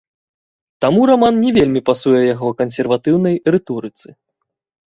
Таму раман не вельмі пасуе яго кансерватыўнай рыторыцы.